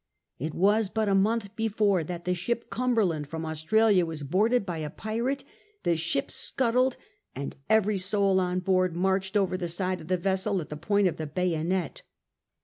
It was but a month before that the ship Cumberland, from Australia, was boarded by a pirate, the ship scuttled, and every soul on board marched over the side of the vessel at the point of the bayonet.